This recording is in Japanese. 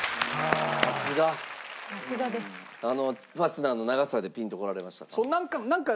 あのファスナーの長さでピンとこられましたか？